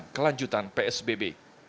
kepada pembangunan kelanjutan psbb